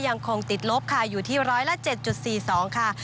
ยังคงติดลบค่ะอยู่ที่๑๐๗๔๒ค่ะ